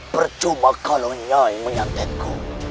bercuma kalau niai menyantetku